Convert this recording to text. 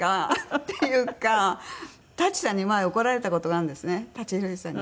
っていうか舘さんに前怒られた事があるんですね舘ひろしさんに。